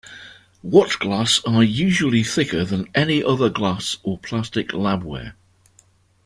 Watch-glass are usually thicker than any other glass or plastic lab-ware.